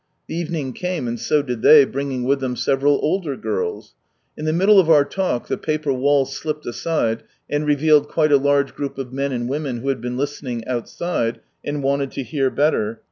The evening came, and so did they, bringing with them several older girls. In the middle of our talk the paper wall slipped aside and revealed quite a large group of men and women who had been listening outside, and wanted to hear better.